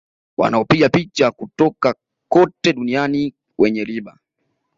Wanaopiga picha kutoka kote duniani wenye riba